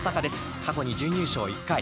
過去に準優勝１回。